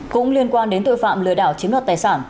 cũng liên quan đến tội phạm lừa đảo chiếm đoạt tài sản